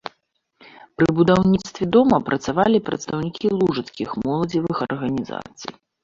Пры будаўніцтве дома працавалі прадстаўнікі лужыцкіх моладзевых арганізацый.